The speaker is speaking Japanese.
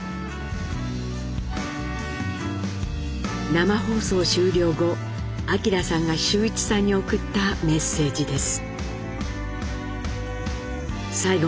生放送終了後明さんが修一さんに送ったメッセージです。